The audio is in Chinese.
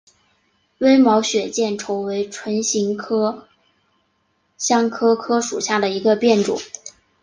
微毛血见愁为唇形科香科科属下的一个变种。